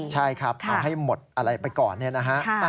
ใช่ครับเอาให้หมดอะไรไปก่อนเนี่ยนะฮะ